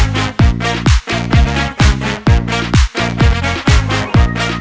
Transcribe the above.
ก็หมดแล้ว